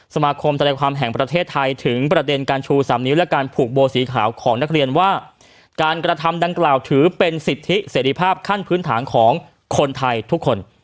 สมาคมแสดงความแห่งประเทศไทยถึงประเด็นการชูสามนิ้วและการผูกโบสีขาวของนักเรียนว่าการกระทำดังกล่าวถือเป็นสิทธิเสรีภาพขั้นพื้นฐานของคนไทยทุกคน